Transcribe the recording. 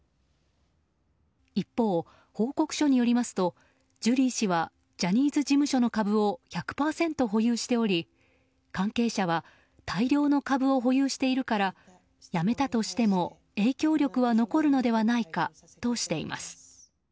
一方、報告書によりますとジュリー氏はジャニーズ事務所の株を１００％保有しており関係者は大量の株を保有しているから辞めたとしても影響力は残るのではないかとしています。